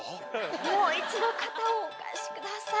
もう一度肩をお貸しください。